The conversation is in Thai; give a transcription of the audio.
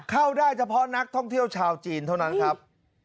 เข้าได้เฉพาะนักท่องเที่ยวชาวจีนเท่านั้นครับ